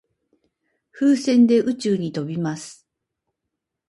風船で宇宙に飛びます。